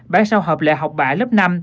bản sao hợp lệ học bạ lớp năm